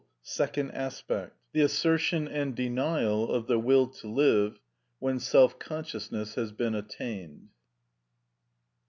Second Aspect. The Assertion And Denial Of The Will To Live, When Self Consciousness Has Been Attained.